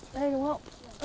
đây đúng không